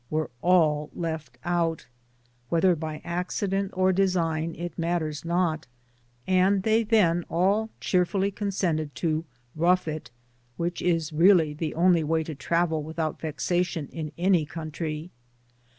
were left out (whether by acci dent or design, it matters not), and they then all cheerfully consented to *^ rough it, which is in fact the only way to travel without vexation in any country.